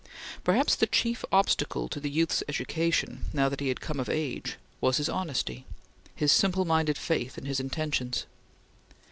Perhaps the chief obstacle to the youth's education, now that he had come of age, was his honesty; his simple minded faith in his intentions.